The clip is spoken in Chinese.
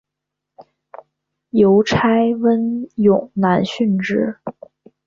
邮差温勇男殉职。